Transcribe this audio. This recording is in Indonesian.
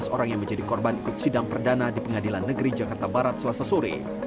tujuh belas orang yang menjadi korban ikut sidang perdana di pengadilan negeri jakarta barat selasa sore